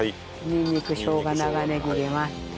にんにくしょうが長ネギ入れます。